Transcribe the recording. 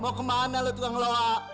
mau kemana lo tukang loa